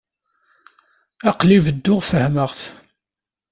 Aql-i bedduɣ fehhmeɣ-t.